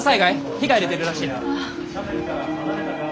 被害出てるらしい。